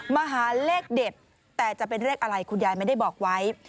มาหาเลขเด็ดแต่จะเป็นเลขอะไรคุณยายไม่ได้บอกไว้